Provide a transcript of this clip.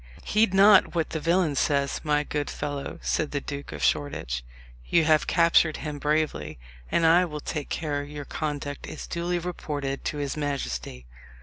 "Heed not what the villain says, my good fellow," said the Duke of Shoreditch; "you have captured him bravely, and I will take care your conduct is duly reported to his majesty.